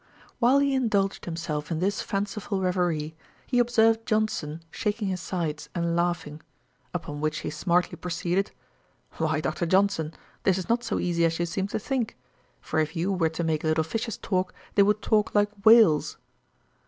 While he indulged himself in this fanciful reverie, he observed Johnson shaking his sides, and laughing. Upon which he smartly proceeded, 'Why, Dr. Johnson, this is not so easy as you seem to think; for if you were to make little fishes talk, they would talk like WHALES.'